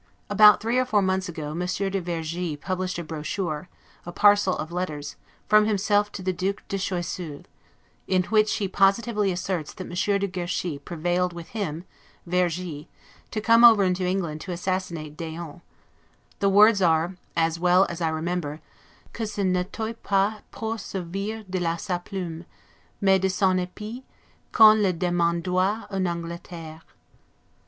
About three or four months ago, Monsieur du Vergy published in a brochure, a parcel of letters, from himself to the Duc de Choiseul; in which he positively asserts that Monsieur de Guerchy prevailed with him (Vergy) to come over into England to assassinate d'Eon; the words are, as well as I remember, 'que ce n'etoit pas pour se servir de sa plume, mais de son epee, qu'on le demandoit en Angleterre'.